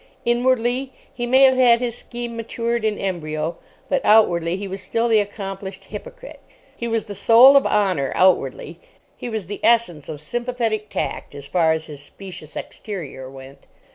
Inwardly he may have had his scheme matured in embryo, but outwardly he was still the accomplished hypocrite. He was the soul of honour—outwardly. He was the essence of sympathetic tact as far as his specious exterior went.